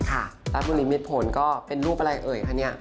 รัฐบุรีมิตรผลก็เป็นรูปอะไรเอ่ยคะเนี่ย